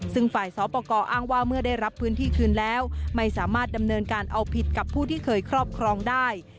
ซึ่งฝ่ายสอบประกอบอ้างว่าเมื่อได้รับพื้นที่คืนแล้วไม่สามารถดำเนินการเอาผิดกับผู้ที่เคยครอบครองได้